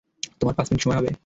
তোমার পাঁচ মিনিট সময় হবে?